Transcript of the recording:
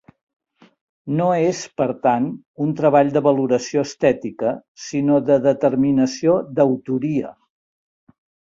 No és, per tant, un treball de valoració estètica, sinó de determinació d'autoria.